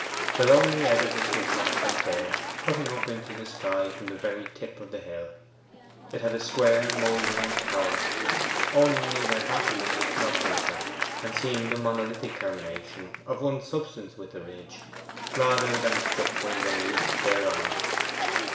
The lonely edifice was black and bare, cutting up into the sky from the very tip of the hill. It had a square mouldering tower, owning neither battlement nor pinnacle, and seemed a monolithic termination, of one substance with the ridge, rather than a structure raised thereon.